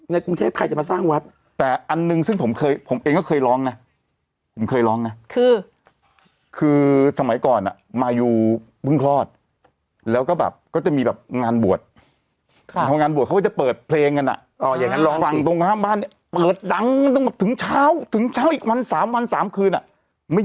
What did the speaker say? กรุงเทพใครจะมาสร้างวัดแต่อันหนึ่งซึ่งผมเคยผมเองก็เคยร้องนะผมเคยร้องนะคือคือสมัยก่อนอ่ะมายูเพิ่งคลอดแล้วก็แบบก็จะมีแบบงานบวชงานบวชเขาก็จะเปิดเพลงกันอ่ะฝั่งตรงข้ามบ้านเนี่ยเปิดดังแบบถึงเช้าถึงเช้าอีกวันสามวันสามคืนอ่ะไม่